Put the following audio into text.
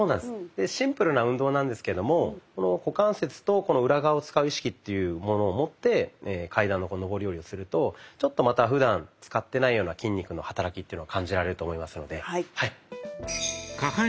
シンプルな運動なんですけどもこの股関節とこの裏側を使う意識というものを持って階段の上り下りをするとちょっとまたふだん使ってないような筋肉の働きっていうのを感じられると思いますので。